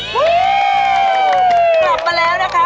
กลับมาแล้วนะคะ